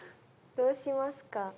どうしますか？